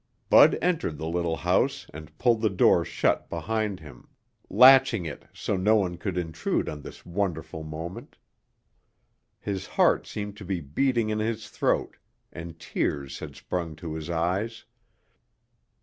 Bud entered the little house and pulled the door shut behind him, latching it so no one could intrude on this wonderful moment. His heart seemed to be beating in his throat and tears had sprung to his eyes.